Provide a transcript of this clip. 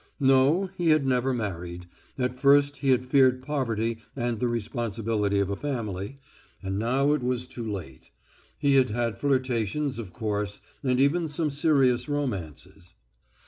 No, he had never married at first he had feared poverty and the responsibility of a family, and now it was too late. He had had flirtations, of course, and even some serious romances.